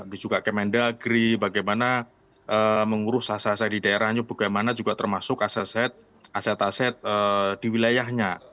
di juga kemendagri bagaimana mengurus aset di daerahnya bagaimana juga termasuk aset aset di wilayahnya